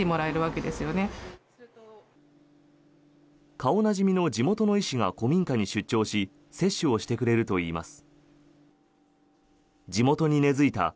顔なじみの地元の医師が古民家に出張し接種をしてくれるといいます。